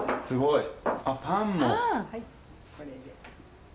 すごい！